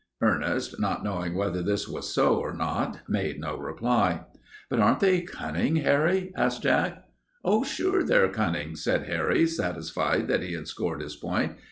Ernest, not knowing whether this was so or not, made no reply. "But aren't they cunning, Harry?" asked Jack. "Oh, sure, they're cunning," said Harry, satisfied that he had scored his point.